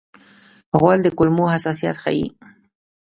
غول د کولمو حساسیت ښيي.